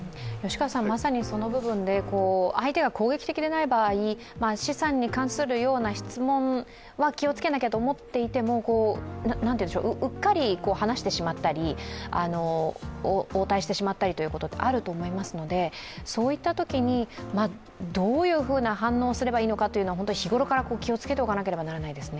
まさにその部分で相手が攻撃的ではない場合資産に関する質問は気をつけなきゃと思っていてもうっかり話してしまったり応対してしまったりっていうこと、あると思いますので、そういったときにどういう反応をすればいいのかというのは、日頃から気をつけておかないといけないですね。